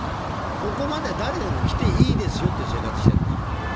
ここまで誰でも来ていいという生活をしているんですよ。